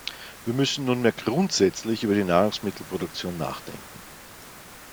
Wir müssen nunmehr grundsätzlich über die Nahrungsmittelproduktion nachdenken.